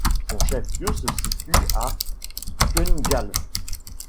Son chef-lieu se situe à Kungälv.